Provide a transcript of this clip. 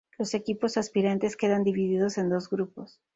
Los equipos aspirantes quedan divididos en dos grupos.